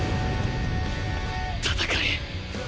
戦え！